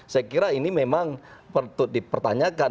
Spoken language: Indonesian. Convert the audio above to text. saya kira ini memang perlu dipertanyakan